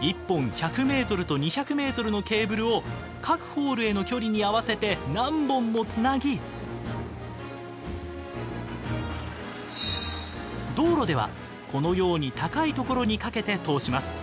１本１００ｍと２００ｍのケーブルを各ホールへの距離に合わせて何本もつなぎ道路では、このように高いところにかけて通します。